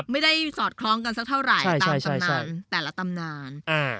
ไม่ได้สอดคล้องกันสักเท่าไหร่ตามตำนานแต่ละตำนาน